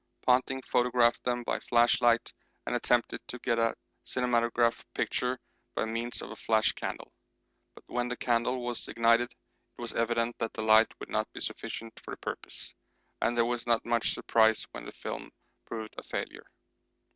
Ponting photographed them by flashlight and attempted to get a cinematograph picture by means of a flash candle. But when the candle was ignited it was evident that the light would not be sufficient for the purpose and there was not much surprise when the film proved a failure.